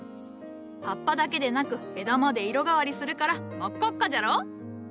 葉っぱだけでなく枝まで色変わりするから真っ赤っかじゃろ？